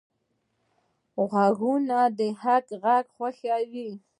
غوږونه د حق غږ خوښوي